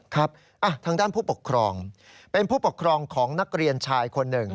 ทางด้านผู้ปกครองเป็นผู้ปกครองของนักเรียนชายคนหนึ่ง